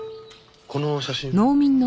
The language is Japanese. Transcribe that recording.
この写真。